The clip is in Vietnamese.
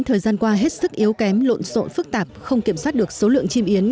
thời gian qua hết sức yếu kém lộn xộn phức tạp không kiểm soát được số lượng chim yến